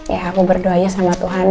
ya aku berdoanya sama tuhan